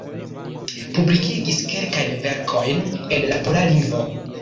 Publikigis kelkajn verkojn en la pola lingvo.